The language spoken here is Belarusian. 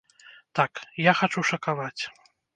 Так, я хачу шакаваць!